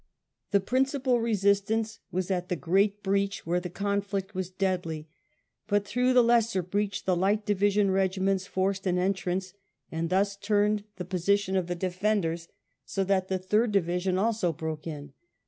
The principal resistance was at the great breach where the conflict was deadly ; but through the lesser breach the Light Division regiments forced an entrance, and thus turned the 158 WELLINGTON position of the defenders, so that the Third Division also broke in.